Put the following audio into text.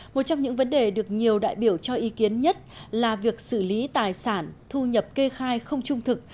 một trong những vấn đề được nhiều đại biểu cho ý kiến nhất là việc xử lý tài sản thu nhập kê khai không trung thực